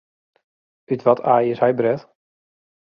Ut wat aai is hy bret?